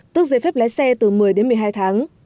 tức giải phép lái xe từ một mươi một mươi hai tháng